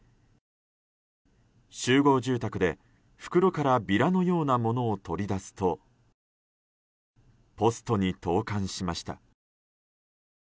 集合住宅で、袋からビラのようなものを取り出すとポストに投函しました。